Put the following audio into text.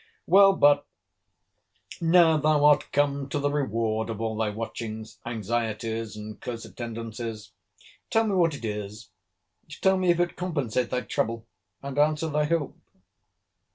Well, but, now thou art come to the reward of all thy watchings, anxieties, and close attendances, tell me what it is; tell me if it compensate thy trouble, and answer thy hope?